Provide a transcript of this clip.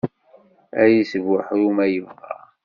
Ad isbuḥru ma yebɣa.